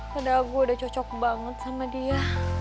padahal gue udah cocok banget sama dia